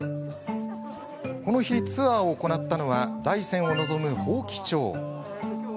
この日、ツアーを行ったのは大山を望む伯耆町。